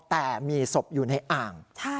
แต่มีศพอยู่ในอ่าง